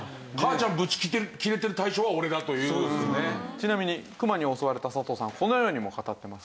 ちなみにクマに襲われた佐藤さんはこのようにも語ってます。